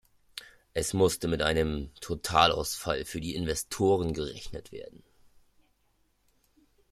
Es musste mit einem Totalausfall für die Investoren gerechnet werden.